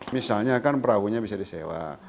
misalnya kan perahunya bisa disewa